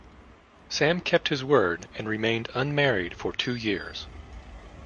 Sam kept his word, and remained unmarried, for two years.